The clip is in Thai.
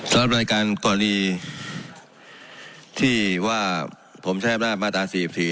สำหรับรายการก่อนนี้ที่ว่าผมแช่งหน้ามาตราสี่สี่